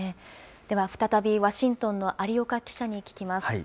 では再びワシントンの有岡記者に聞きます。